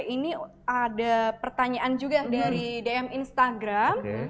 ini ada pertanyaan juga dari dm instagram